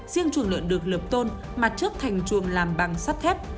riêng chuồng lợn được lợp tôn mặt trước thành chuồng làm bằng sắt thép